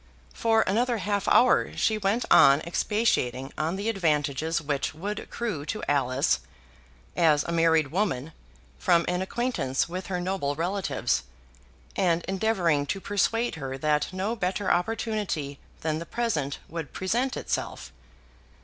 For another half hour she went on expatiating on the advantages which would accrue to Alice as a married woman from an acquaintance with her noble relatives, and endeavouring to persuade her that no better opportunity than the present would present itself.